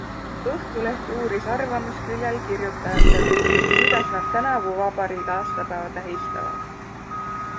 Õhtuleht uuris arvamusküljel kirjutajatelt, kuidas nad tänavu vabariigi aastapäeva tähistavad.